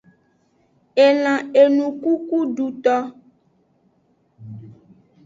Elan enukukuduto.